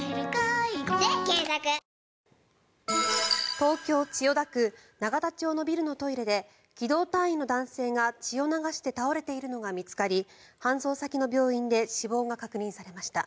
東京・千代田区永田町のビルのトイレで機動隊員の男性が血を流して倒れているのが見つかり搬送先の病院で死亡が確認されました。